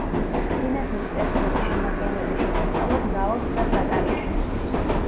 სინათლის სპექტრული შემადგენლობის შესასწავლად მრავალ ცდას ატარებდნენ.